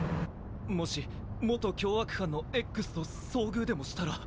もし元凶悪犯の“Ｘ”と遭遇でもしたら！